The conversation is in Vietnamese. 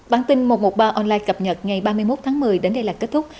bản tin một trăm một mươi ba online cập nhật ngày ba mươi một tháng một mươi đến đây là kết thúc